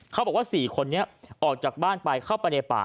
เขาบอกว่า๔คนนี้ออกจากบ้านไปเข้าไปในป่า